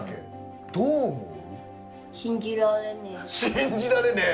信じられねえ。